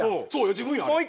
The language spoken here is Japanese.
自分やんあれ。